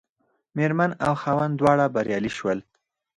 مېرمن او خاوند دواړه بریالي شول.